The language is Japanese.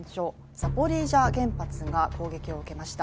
ザポリージャ原発が攻撃を受けました。